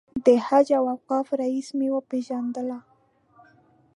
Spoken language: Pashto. د حج او اوقافو رییس مې پېژندل.